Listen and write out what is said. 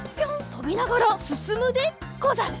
とびながらすすむでござる。